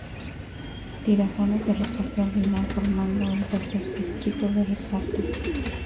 Tirajana se repartió al final, formando el tercer distrito de reparto.